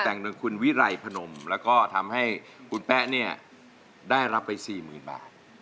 แต่งโดยคุณวิไรพนมแล้วก็ทำให้คุณแป๊ะเนี่ยได้รับไป๔๐๐๐บาท